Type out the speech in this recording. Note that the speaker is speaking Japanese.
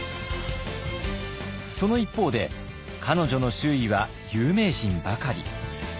その一方で彼女の周囲は有名人ばかり。